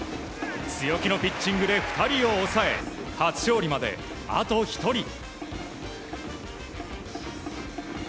強気のピッチングで２人を抑え初勝利まで、あと１人。